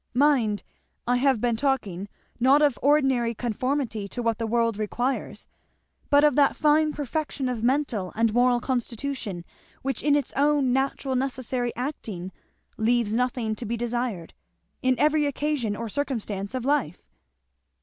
"Mind, I have been talking, not of ordinary conformity to what the world requires, but of that fine perfection of mental and moral constitution which in its own natural necessary acting leaves nothing to be desired, in every occasion or circumstance of life.